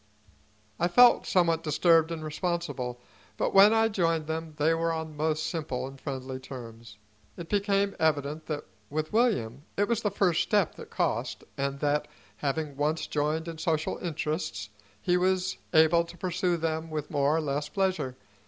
I felt somewhat disturbed and responsible, but when I joined them they were on most simple and friendly terms. It became evident that, with William, it was the first step that cost, and that, having once joined in social interests, he was able to pursue them with more or less pleasure.